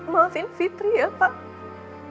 maafin fitri ya pak